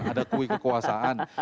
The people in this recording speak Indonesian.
ada kuih kekuasaan